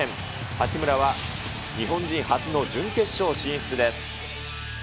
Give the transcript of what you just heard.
八村は日本人初の準決勝進出です。